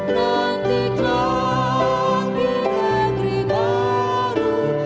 nanti kembali negeri baru